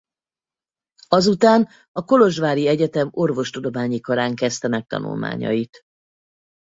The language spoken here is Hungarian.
Azután a kolozsvári egyetem orvostudományi karán kezdte meg tanulmányait.